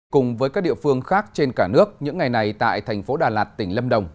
cùng với các địa phương khác trên cả nước những ngày này tại thành phố đà lạt tỉnh lâm đồng